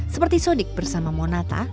seperti sodik bersama monata